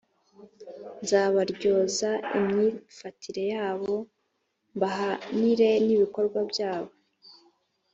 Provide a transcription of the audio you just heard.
nzabaryoza imyifatire yabo, mbahanire n’ibikorwa byabo.